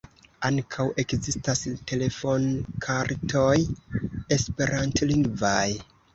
Ankaŭ ekzistas telefonkartoj esperantlingvaj.